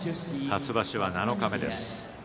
初場所七日目です。